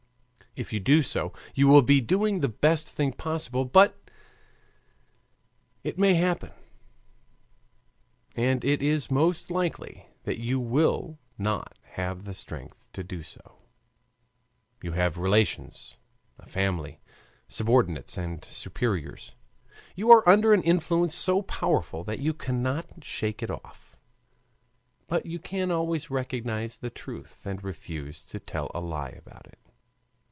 If you do so, you will be doing the best thing possible. But it may happen, and it is most likely, that you will not have the strength to do so. You have relations, a family, subordinates and superiors; you are under an influence so powerful that you cannot shake it off; but you can always recognize the truth and refuse to tell a lie about it.